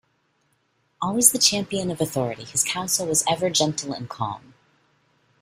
Always the champion of authority, his counsel was ever gentle and calm.